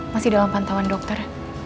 masih dalam pantauan dokter